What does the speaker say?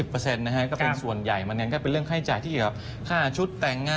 เป็นส่วนใหญ่มันก็เป็นค่าให้จ่ายที่เกี่ยวกับ